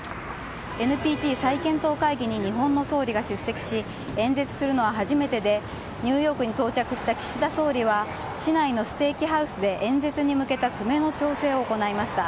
ＮＰＴ再検討会議に日本の総理が出席し、演説するのは初めてで、ニューヨークに到着した岸田総理は、市内のステーキハウスで演説に向けた詰めの調整を行いました。